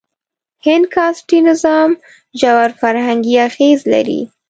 هند کاسټي نظام ژور فرهنګي اغېز لري.